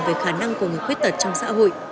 về khả năng của người khuyết tật trong xã hội